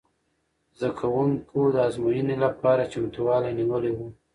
زده کوونکو د ازموینې لپاره چمتووالی نیولی و.